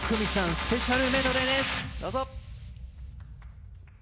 スペシャルメドレーです、どうぞ！